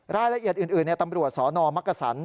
รายละเอียดอื่นตำรวจสนมักกษัน